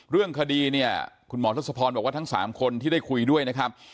เรื่องคดีเนี่ยคุณหมอทศพรบอกว่าทั้ง๓คนที่ได้คุยด้วยนะครับ